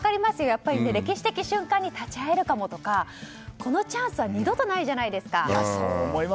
やっぱり歴史的瞬間に立ち会えるかもとかこのチャンスは二度とないじゃないですか。